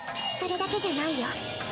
それだけじゃないよ。